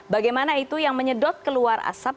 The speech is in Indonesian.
bagaimana itu yang menyedot keluar asap